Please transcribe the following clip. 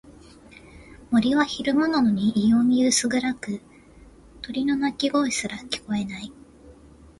森は昼間なのに異様に薄暗く、鳥の鳴き声すら聞こえない。